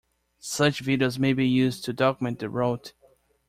Such videos may be used to document the route.